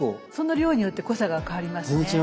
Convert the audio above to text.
その量によって濃さが変わりますね。